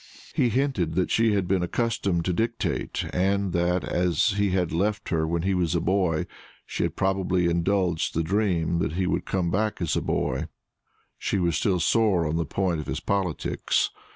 He hinted that she had been accustomed to dictate, and that, as he had left her when he was a boy, she had perhaps indulged the dream that he would come back a boy. She was still sore on the point of his politics.